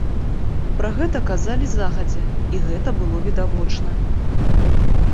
Пра гэта казалі загадзя, і гэта было відавочна.